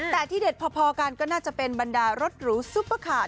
แต่ที่เด็ดพอกันก็น่าจะเป็นบรรดารถหรูซุปเปอร์คาร์